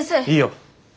いいよ。